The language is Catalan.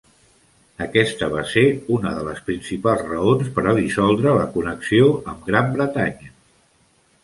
Aquesta va ser una de les principals raons per a dissoldre la connexió amb Gran Bretanya.